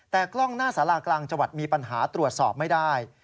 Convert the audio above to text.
แต่กล้องหน้าสารากลางจังหวัดมีปัญหาตรวจสอบไม่ได้